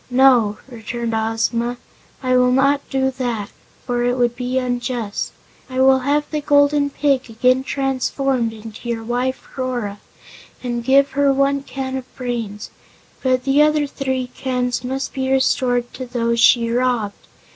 "No," returned Ozma, "I will not do that, for it would be unjust. I will have the Golden Pig again transformed into your wife Rora, and give her one can of brains, but the other three cans must be restored to those she robbed.